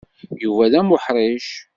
Yuba d amuḥṛic.